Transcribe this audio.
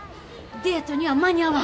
デートには間に合わん。